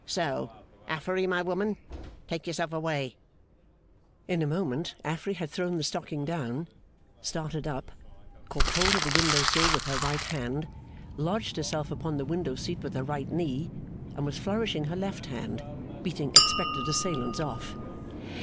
So, Affery, my woman, take yourself away!' In a moment Affery had thrown the stocking down, started up, caught hold of the windowsill with her right hand, lodged herself upon the window seat with her right knee, and was flourishing her left hand, beating expected assailants off.